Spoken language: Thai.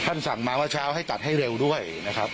สั่งมาว่าเช้าให้ตัดให้เร็วด้วยนะครับ